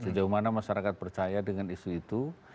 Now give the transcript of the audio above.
sejauh mana masyarakat percaya dengan isu itu